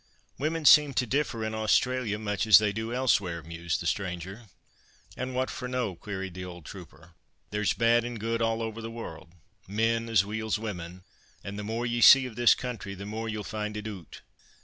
"Women seem to differ in Australia much as they do elsewhere," mused the stranger. "And what for no?" queried the old trooper; "there's bad and good all over the world—men as weel's women—and the more you see of this country, the more you'll find it oot.